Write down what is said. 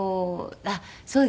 あっそうですね。